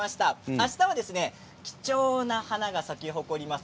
あしたは貴重な花が咲き誇ります